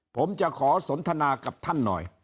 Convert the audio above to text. ผมจะขอสนทนากับท่านหน่อย